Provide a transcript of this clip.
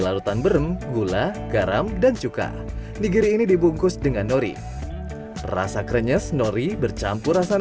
larutan berem gula garam dan cuka nigiri ini dibungkus dengan nori rasa krenyes nori bercampur rasa